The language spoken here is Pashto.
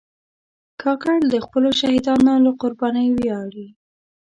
کاکړ د خپلو شهیدانو له قربانۍ ویاړي.